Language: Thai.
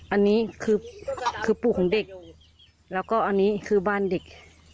อันนี้คือปู่ของเด็กแล้วก็อันนี้คือบ้านเด็ก